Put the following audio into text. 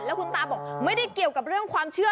คุณตาบอกไม่ได้เกี่ยวกับเรื่องความเชื่อ